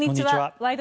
「ワイド！